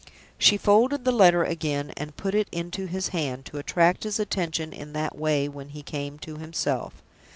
She folded the letter again, and put it into his hand, to attract his attention in that way when he came to himself.